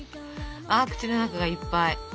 口の中がいっぱい。